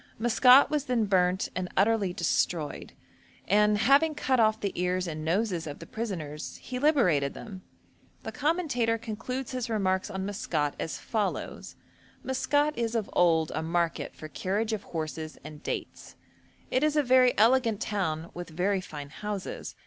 Maskat was then burnt and utterly destroyed; and 'having cut off the ears and noses of the prisoners he liberated them.' The commentator concludes his remarks on Maskat as follows: 'Maskat is of old a market for carriage of horses and dates; it is a very elegant town, with very fine houses.